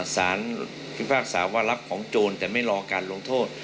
สารพิพากษาว่ารับของโจรแต่ไม่รอการลงโทษ